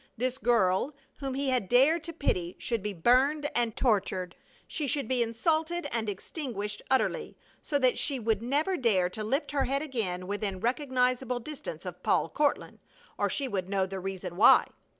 This girl whom he had dared to pity should be burned and tortured; she should be insulted and extinguished utterly, so that she would never dare to lift her head again within recognizable distance of Paul Courtland, or she would know the reason why.